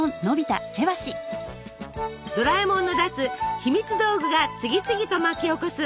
ドラえもんの出す「ひみつ道具」が次々と巻き起こす